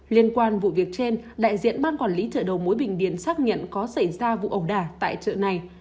liên quan vụ việc trên đại diện bán quản lý chợ đầu mối bình điển xác nhận có xảy ra vụ ẩu đà tại chợ này